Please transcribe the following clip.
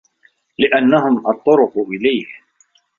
لِأَنَّهُمْ الطُّرُقُ إلَيْهِ